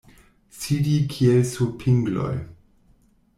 Sidi kiel sur pingloj.